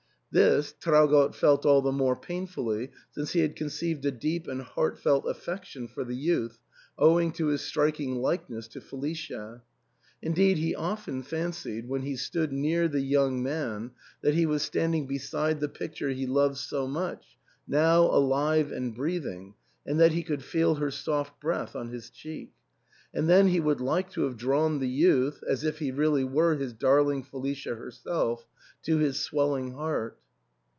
This Traugott felt all the more painfully since he had conceived a deep and heart felt affection for the youth, owing to his striking likeness to Felicia. Indeed he often fancied, when he stood near the young man, that he was standing beside the picture he loved so much, now alive and breathing, and that he could feel her soft breath on his cheek ; and then he would like to have drawn the youth, as if he really were his darling Felicia herself, to his swelling heart.